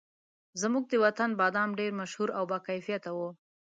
زموږ د وطن بادام ډېر مشهور او باکیفیته وو.